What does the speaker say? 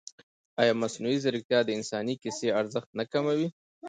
ایا مصنوعي ځیرکتیا د انساني کیسې ارزښت نه کموي؟